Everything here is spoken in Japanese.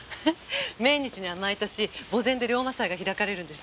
命日には毎年墓前で龍馬祭が開かれるんです。